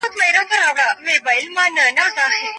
مشران ولي د جګړې مخنیوی کوي؟